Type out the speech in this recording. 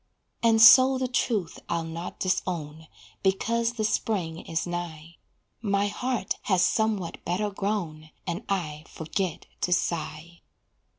And so the truth I'll not disown, Because the spring is nigh; My heart has somewhat better grown, And I forget to sigh.